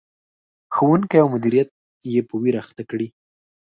ښوونکي او مدیریت یې په ویر اخته کړي.